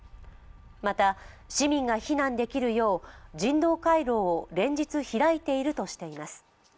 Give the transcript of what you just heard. また、市民が避難できるよう人道回廊を連日開いているとしています。